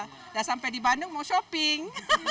sudah sampai di bandung mau shopping